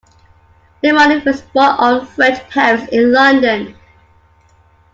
Lemoinne was born of French parents in London.